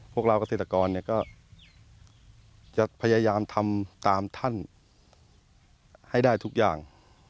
พวกเราเกษตรกรก็จะพยายามทำตามท่านให้ได้ทุกอย่าง